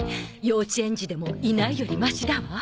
幼稚園児でもいないよりマシだわ